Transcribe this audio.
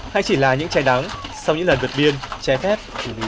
hay chỉ là những chai đắng sau những lần vượt biên chai phép